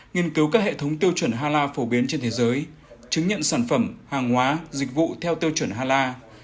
nghiên cứu các hệ thống tiêu chuẩn hà la phổ biến trên thế giới chứng nhận sản phẩm hàng hóa dịch vụ theo tiêu chuẩn hà la